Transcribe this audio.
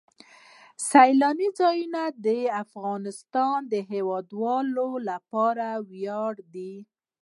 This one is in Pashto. سیلانی ځایونه د افغانستان د هیوادوالو لپاره ویاړ دی.